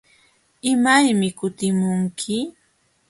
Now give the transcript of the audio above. ¿Imaymi kutimunki?